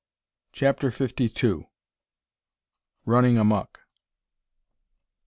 CHAPTER FIFTY TWO. RUNNING AMUCK.